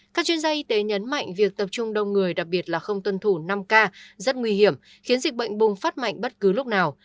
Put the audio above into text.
các chuyên gia y tế nhấn mạnh việc tập trung đông người đặc biệt là không tuân thủ năm k rất nguy hiểm khiến dịch bệnh bùng phát mạnh bất cứ lúc nào